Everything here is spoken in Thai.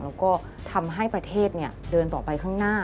แล้วก็ทำให้ประเทศเดินต่อไปข้างหน้า